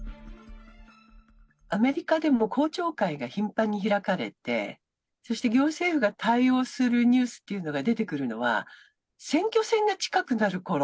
アメリカでも公聴会が頻繁に開かれて、そして行政府が対応するニュースっていうのが出てくるのは、選挙戦が近くなるころ。